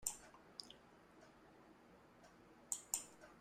要是早點出現該有多好